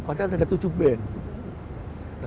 padahal ada tujuh band